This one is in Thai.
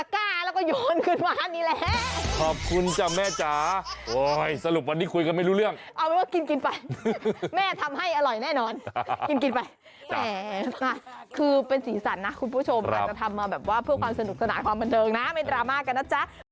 คุณผู้ชมจะทำมาเพื่อความสนุกขนาดความบันเติมนะไม่ดราม่ากันนะจ๊ะ